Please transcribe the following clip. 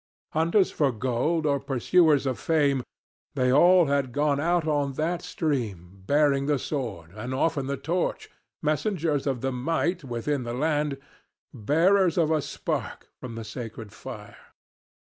Hunters for gold or pursuers of fame, they all had gone out on that stream, bearing the sword, and often the torch, messengers of the might within the land, bearers of a spark from the sacred fire.